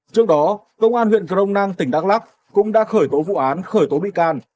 trước đó công an huyện crong nang tỉnh đắk lắk cũng đã khởi tổ vụ án khởi tổ bị can